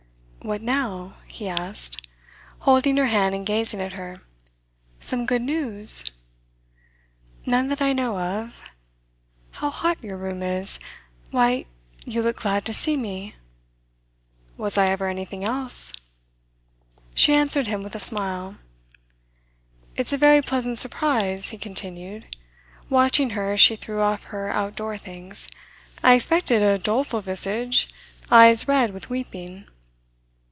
'What now?' he asked, holding her hand and gazing at her. 'Some good news?' 'None that I know of. How hot your room is! Why, you look glad to see me!' 'Was I ever anything else?' She answered him with a smile. 'It's a very pleasant surprise,' he continued, watching her as she threw off her out door things. 'I expected a doleful visage, eyes red with weeping.